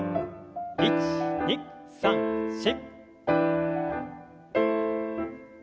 １２３４。